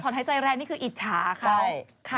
ผ่อนหายใจแรกนี่คืออิจฉาค่ะ